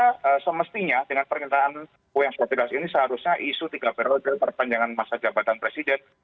pemulihan ekonominya dengan pernyataan kpu yang sudah terkasih ini seharusnya isu tiga periode perpanjangan masa jabatan presiden